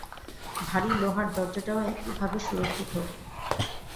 ভারি লোহার দরজাটাও একইভাবে সুরক্ষিত।